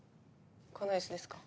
このイスですか？